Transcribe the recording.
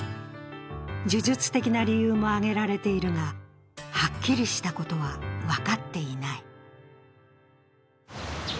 呪術的な理由も挙げられているがはっきりしたことは分かっていない。